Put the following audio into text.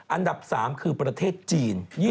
อันดับ๓คือประเทศจีน